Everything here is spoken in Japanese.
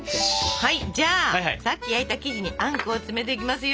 はいじゃあさっき焼いた生地にあんこを詰めていきますよ。